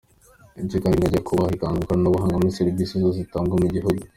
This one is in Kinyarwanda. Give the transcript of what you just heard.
Ibyo kandi binajyana no kuba himakazwa ikoranabuhanga muri serivisi zose zitangwa mu gihugu.